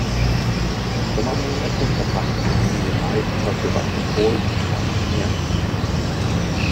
Die Sommermonate verbrachte die Familie meist bei Sewastopol am Schwarzen Meer.